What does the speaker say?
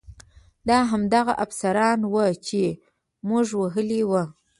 دا هماغه افسران وو چې موږ وهلي وو